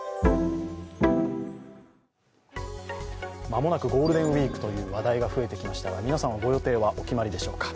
間もなくゴールデンウイークという話題が増えてきましたが、皆さんはご予定はお決まりでしょうか。